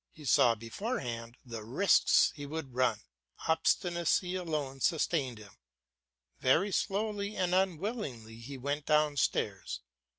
He saw beforehand the risks he would run; obstinacy alone sustained him; very slowly and unwillingly he went downstairs.